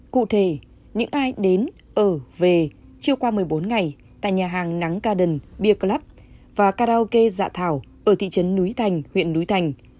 cụ thể những ai đến ở về chiều qua một mươi bốn ngày tại nhà hàng nắng caden beer club và karaoke dạ thảo ở thị trấn núi thành huyện núi thành